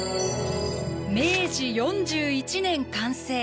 明治４１年完成